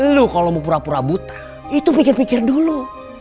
lu kalau mau pura pura buta itu pikir pikir dulu